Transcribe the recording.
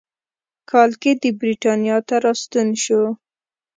کال کې د برېټانیا ته راستون شو.